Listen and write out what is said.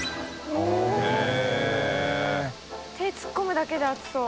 大友）手突っ込むだけで熱そう。